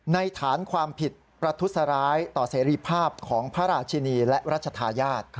ฐานความผิดประทุษร้ายต่อเสรีภาพของพระราชินีและรัชธาญาติ